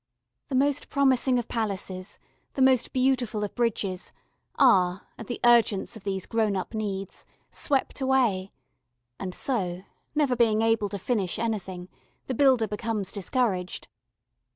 The most promising of palaces, the most beautiful of bridges, are, at the urgence of these grown up needs, swept away, and so, never being able to finish anything, the builder becomes discouraged.